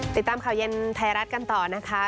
ติดตามข่าวเย็นไทยรัฐกันต่อนะคะ